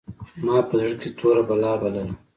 ما په زړه کښې توره بلا بلله.